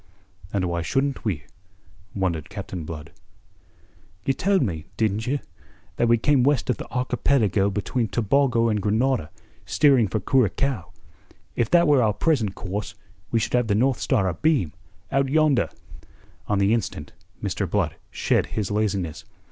"And why shouldn't we?" wondered Captain Blood. "You told me didn't you? that we came west of the archipelago between Tobago and Grenada, steering for Curacao. If that were our present course, we should have the North Star abeam, out yonder." On the instant Mr. Blood shed his laziness.